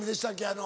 あの。